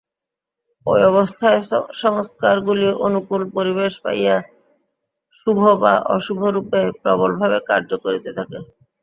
ঐ অবস্থায় সংস্কারগুলি অনুকূল পরিবেশ পাইয়া শুভ বা অশুভরূপে প্রবলভাবে কার্য করিতে থাকে।